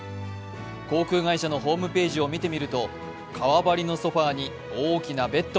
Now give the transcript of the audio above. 航空会社のホームページを見てみると、革張りのソファーに大きなベッド。